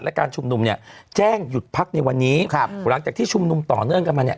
และการชุมนุมเนี่ยแจ้งหยุดพักในวันนี้ครับหลังจากที่ชุมนุมต่อเนื่องกันมาเนี่ย